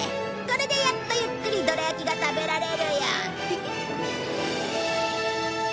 これでやっとゆっくりどら焼きが食べられるよ。